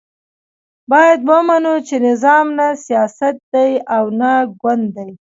باید ومنو چې نظام نه سیاست دی او نه ګوند دی.